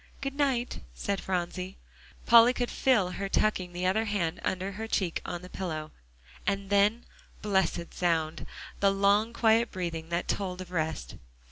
"Good night," said Phronsie. Polly could feel her tucking the other hand under her cheek on the pillow, and then, blessed sound the long quiet breathing that told of rest.